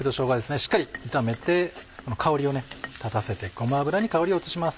しっかり炒めて香りを立たせてごま油に香りを移します。